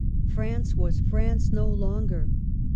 France was France no longer.